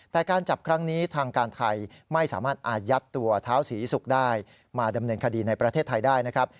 แต่การจับครั้งนี้ทางการไทยไม่สามารถอายัดตัวเท้าศรีศุกร์ได้มาดำเนินคดีในประเทศไทยได้นะครับ